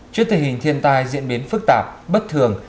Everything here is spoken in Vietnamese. trước tình hình thiên tai diễn biến phức tạp bất thường